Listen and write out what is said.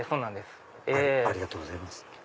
ありがとうございます。